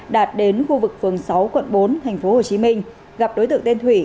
đạt đến khu vực phường sáu quận bốn thành phố hồ chí minh gặp đối tượng tên thủy